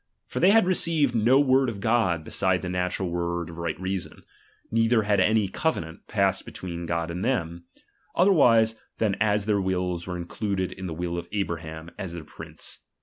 ^^| T'or they had received no icord of God beside the ^^ natural word of right reason ; neither had any covenant passed between God and them, otherwise than as their wills were included in the will of Abraham, as Xhevc prince.